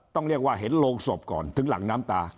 ต้องเรียกว่าเห็นโรงศพก่อนถึงหลังน้ำตา